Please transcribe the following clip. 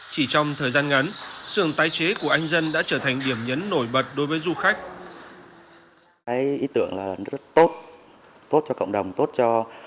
chỉ trong thời gian ngắn sườn tái chế của anh dân đã trở thành điểm nhấn nổi bật đối với du khách